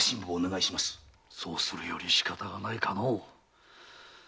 そうするよりしかたがないかのう。